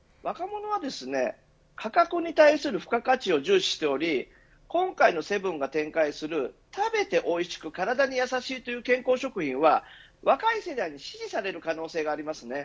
若者は、価格に対する付加価値を重視しており今回のセブンが展開する食べておいしく体にやさしいという健康食品は若い世代に支持される